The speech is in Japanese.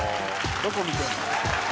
どこ見てるの？